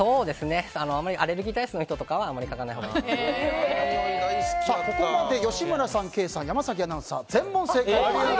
アレルギー体質の人とかはあまりかがないほうがここまで吉村さん、ケイさん山崎アナウンサー、全問正解です。